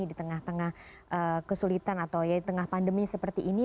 di tengah tengah kesulitan atau ya di tengah pandemi seperti ini